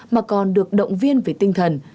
mà còn được động viên về tinh thần